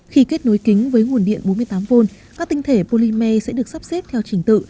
khi kết nối kính với nguồn điện bốn mươi tám v các tinh thể polymer sẽ được sắp xếp theo trình tự